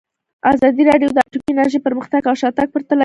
ازادي راډیو د اټومي انرژي پرمختګ او شاتګ پرتله کړی.